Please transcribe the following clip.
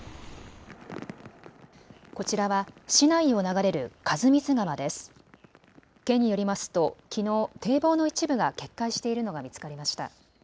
こちらは市内を流れる員光川です県によりますと、きのう堤防の一部が決壊しているのが見つかりました。